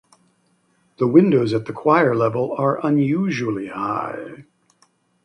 The windows at the choir level are unusually high.